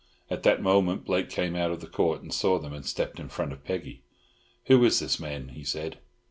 At that moment Blake came out of Court, saw them, and stepped in front of Peggy. "Who is this man?" he said.